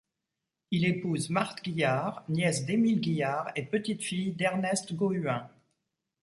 Il épouse Marthe Guiard, nièce d'Émile Guiard et petite-fille d'Ernest Goüin.